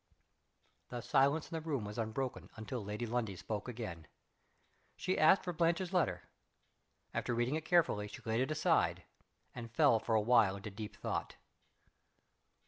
The silence in the room was unbroken until Lady Lundie spoke again. She asked for Blanche's letter. After reading it carefully, she laid it aside, and fell for a while into deep thought.